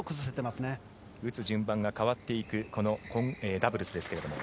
打つ順番がかわっていくこのダブルスです。